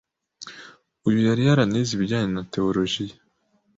Uyu yari yaranize ibijyanye na tewolojiya